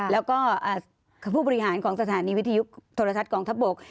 แล้วก็ผู้บริหารของสถานีวิทยุโทรทัศน์กองทัพบก